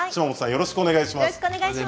よろしくお願いします。